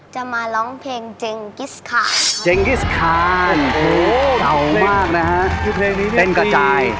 จะมาร้องเพลงเจงกิสคาเจงกิสถานเก่ามากนะฮะคือเพลงนี้เต้นกระจาย